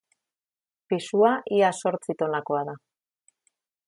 Pisua ia zortzi tonakoa da.